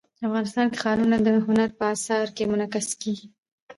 افغانستان کې ښارونه د هنر په اثار کې منعکس کېږي.